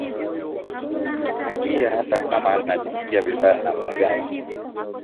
angie hata kama anajisikia vibaya namna gani